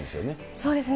そうですね。